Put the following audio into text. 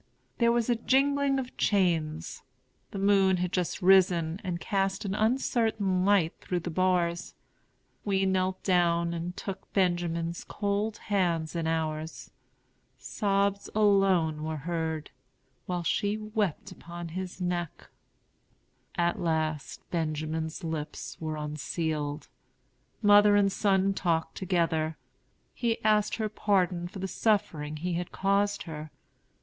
There was a jingling of chains. The moon had just risen, and cast an uncertain light through the bars. We knelt down and took Benjamin's cold hands in ours. Sobs alone were heard, while she wept upon his neck. At last Benjamin's lips were unsealed. Mother and son talked together. He asked her pardon for the suffering he had caused her.